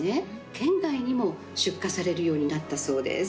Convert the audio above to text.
県外にも出荷されるようになったそうです。